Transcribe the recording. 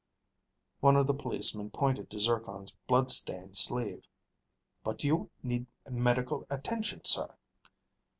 One of the policemen pointed to Zircon's bloodstained sleeve. "But you need medical attention, sir."